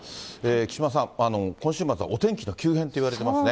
木島さん、今週末はお天気の急変といわれていますね。